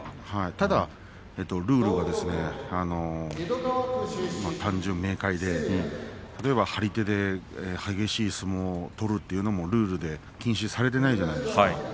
ただルールがですね単純明快で例えば張り手で激しい相撲を取るというのもルールで禁止されていないじゃないですか。